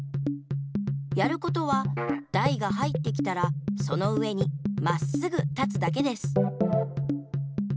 やることは台が入ってきたらその上にまっすぐ立つだけです。